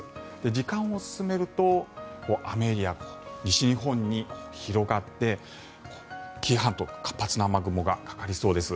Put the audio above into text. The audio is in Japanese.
時間を進めると雨エリア、西日本に広がって紀伊半島に活発な雨雲がかかりそうです。